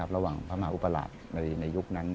ระหว่างพระมหาอุปราชในยุคนั้น